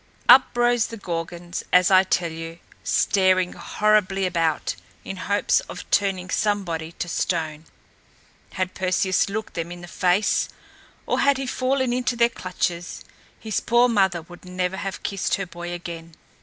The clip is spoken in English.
Up rose the Gorgons, as I tell you, staring horribly about, in hopes of turning somebody to stone. Had Perseus looked them in the face or had he fallen into their clutches, his poor mother would never have kissed her boy again!